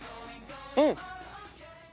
うん！